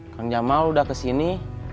kang jamal udah kesini